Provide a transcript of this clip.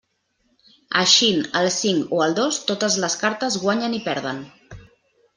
Eixint el cinc o el dos totes les cartes guanyen i perden.